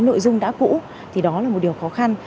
nội dung đã cũ thì đó là một điều khó khăn